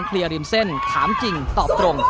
เคลียร์ริมเส้นถามจริงตอบตรง